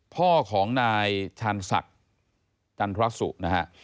พ่อของนายชันสัตว์จันทรัสสุนะฮะ